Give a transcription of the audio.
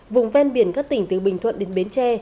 vùng ven biển các tỉnh từ bình thuận đến bến tre